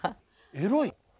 エロい？